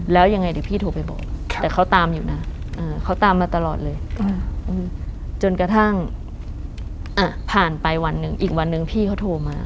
แล้วยังไงเดี๋ยวพี่โทรไปบอกแต่เขาตามอยู่นะเขาตามมาตลอดเลยจนกระทั่งผ่านไปวันหนึ่งอีกวันหนึ่งพี่เขาโทรมา